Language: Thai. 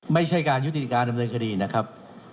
ไม่ใช่การยุติการดำเนินคดีนะครับ